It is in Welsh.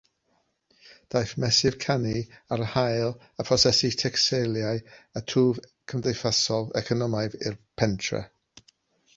Daeth meysyd cannu â'r haul a phrosesu tecstilau a thwf cymdeithasol-economaidd i'r pentref.